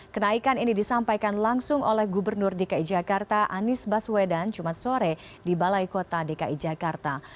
kenaikan ini disampaikan langsung oleh gubernur dki jakarta anies baswedan jumat sore di balai kota dki jakarta